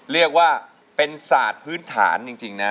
เรียกว่าเป็นศาสตร์พื้นฐานจริงนะ